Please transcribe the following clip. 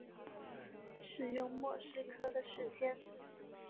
使用莫斯科时间。